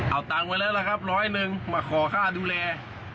เอาตังค์ไว้แล้วล่ะครับร้อยหนึ่งมาขอค่าดูแล